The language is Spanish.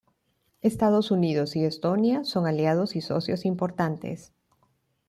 Los Estados Unidos y Estonia son aliados y socios importantes.